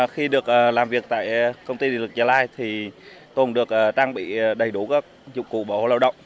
khi được làm việc tại công ty địa lực trà lai thì tôi cũng được trang bị đầy đủ các dụng cụ bảo vệ lao động